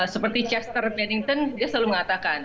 seperti chester badminton dia selalu mengatakan